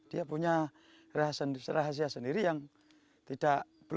dia punya rahasia sendiri yang tidak